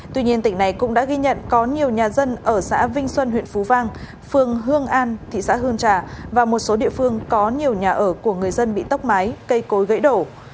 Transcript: tuy nhiên tỉnh này cũng đã ghi nhận có nhiều nhà dân ở xã vinh xuân huyện phú vang phường hương an thị xã hương trà và một số địa phương có nhiều nhà ở của người dân bị tốc mái cây cối gãy đổ